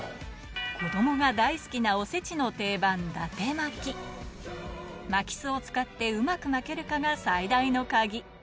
子供が大好きなお節の定番巻きすを使ってうまく巻けるかが最大の鍵